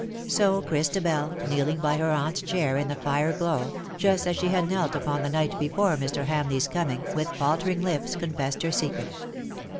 So Christabel, kneeling by her aunt^s chair in the fire glow, jus.t as she had knelt upon the night before Mr. HamleigVs coming, with faltering lips con fessed her secret.